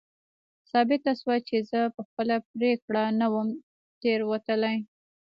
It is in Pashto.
ثابته شوه چې زه په خپله پرېکړه نه وم تېروتلی.